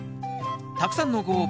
たくさんのご応募